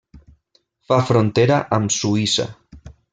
Fa frontera amb Suïssa.